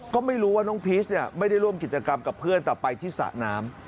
ก็ไม่รู้ว่าน้องพีชไม่ได้ร่วมกิจกรรมกับเพื่อนแต่ไปที่สระน้ำ